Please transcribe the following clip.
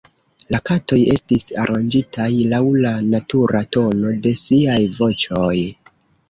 La katoj estis aranĝitaj laŭ la natura tono de siaj voĉoj.